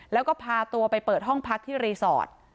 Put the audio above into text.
แล้วก็พาตัวไปเปิดห้องพักที่รีสอร์ท